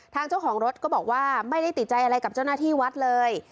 ทางเจ้าของรถก็บอกว่าไม่ได้ติดใจอะไรกับเจ้าหน้าที่วัดเลย